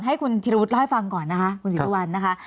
ให้คุณธิรวุฒิเล่าให้ฟังก่อนนะคะคุณศรีสุวรรณนะคะ